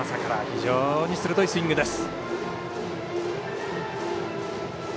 非常に鋭いスイングです。